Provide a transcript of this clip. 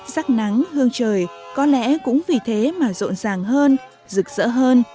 sắc nắng hương trời có lẽ cũng vì thế mà rộn ràng hơn rực rỡ hơn